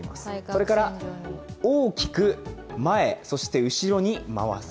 それから、大きく前、そして後ろに回す。